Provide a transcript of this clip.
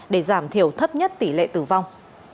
để giảm thiểu thấp nhất tỷ lệ tử vong